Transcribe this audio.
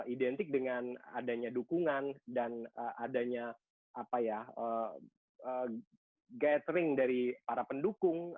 identik dengan adanya dukungan dan adanya gathering dari para pendukung